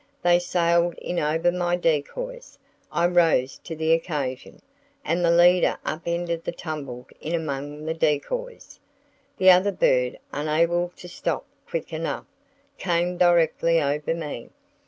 They sailed in over my decoys. I rose to the occasion, and the leader up ended and tumbled in among the decoys. The other bird, unable to stop quick enough, came directly over me.